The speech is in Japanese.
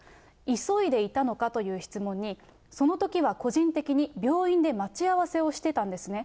急いでいたのかという質問に、そのときは個人的に病院で待ち合わせをしてたんですね。